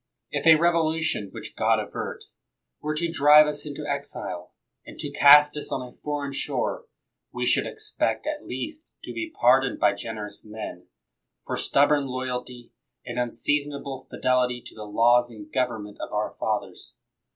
If a revolution (which God avert) were to drive us into exile, and to cast us on a foreign shore, we should expect, at least, to be pardoned by generous men, for stubborn loyalty and unseasonable fidelity to the laws and government of our fathers.